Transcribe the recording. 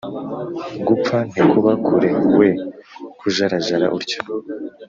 Gupfa ntikuba Kure we kujarajara utyo